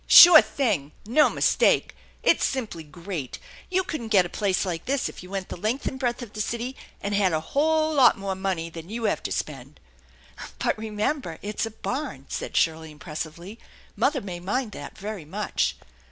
" Sure thing ! No mistake ! It's simply great . You couldn't get a place like this if you went the length and breadth of the city and had a whole lot more money than you have to spend." "But remember it's a barn!" said Shirley impressively. " Mother may mind that very much."